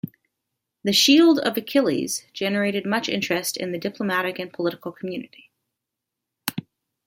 "The Shield of Achilles" generated much interest in the diplomatic and political community.